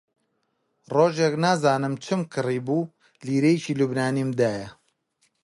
ڕۆژێک نازانم چم کڕیبوو، لیرەیەکی لوبنانیم دایە